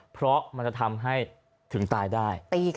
เพราะมันจะทำให้ถึงตายได้